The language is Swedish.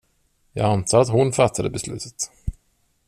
Jag antar att hon fattade beslutet.